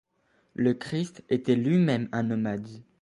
Le Christ était lui-même un nomade.